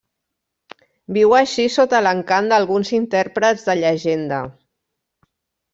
Viu així sota l'encant d'alguns intèrprets de llegenda.